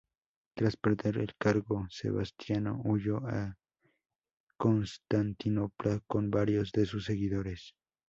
Tras perder el cargo, Sebastiano huyó a Constantinopla con varios de sus seguidores.